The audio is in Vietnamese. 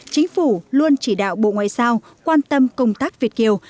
chính phủ luôn chỉ đạo bộ ngoại giao quan tâm công tác việt kiều